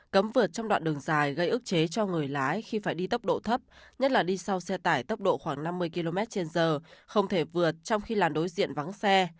cấm vượt trong đoạn đường dài gây ức chế cho người lái khi phải đi tốc độ thấp nhất là đi sau xe tải tốc độ khoảng năm mươi km trên giờ không thể vượt trong khi làn đối diện vắng xe